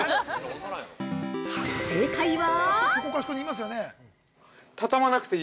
◆正解は？